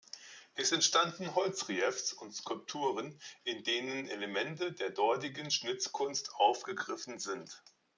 Es entstanden Holzreliefs und Skulpturen, in denen Elemente der dortigen Schnitzkunst aufgegriffen sind.